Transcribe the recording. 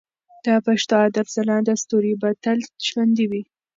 د پښتو ادب ځلانده ستوري به تل ژوندي وي.